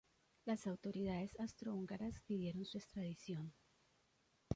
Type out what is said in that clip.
Las autoridades austrohúngaras pidieron su extradición.